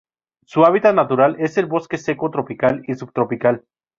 Su hábitat natural es el bosque seco tropical y subtropical.